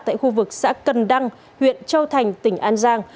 tại khu vực xã cần đăng huyện châu thành tỉnh an giang